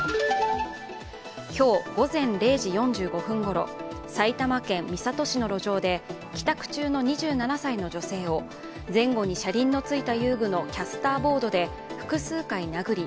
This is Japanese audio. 今日、午前０時４５分ごろ、埼玉県三郷市の路上で帰宅中の２７歳の女性を前後に車輪のついた遊具のキャスターボードで複数回殴り